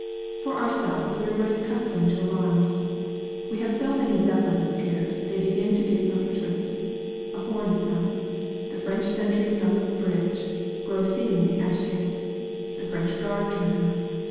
For ourselves, we are growing accustomed to alarms. We have so many Zeppelin scares that they begin to be of no interest. A horn is sounded. The French sentries on the bridge grow seemingly agitated; the French guard turn out.